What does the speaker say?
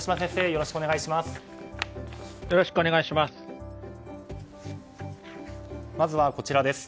よろしくお願いします。